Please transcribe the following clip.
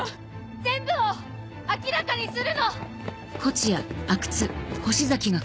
・全部を明らかにするの！